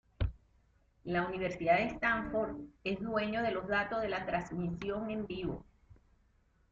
La Universidad de Stanford es dueño de los datos de la transmisión en vivo.